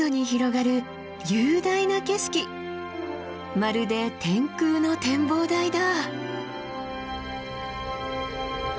まるで天空の展望台だ。